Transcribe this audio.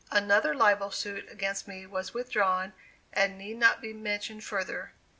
Another libel suit against me was withdrawn and need not be mentioned further.